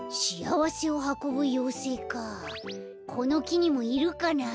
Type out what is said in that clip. このきにもいるかなあ？